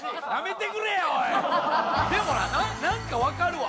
でもななんかわかるわ。